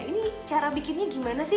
ini cara bikinnya gimana sih